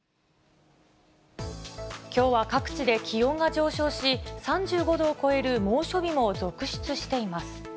きょうは各地で気温が上昇し、３５度を超える猛暑日も続出しています。